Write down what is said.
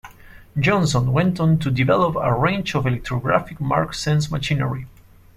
Johnson went on to develop a range of electrographic mark-sense machinery.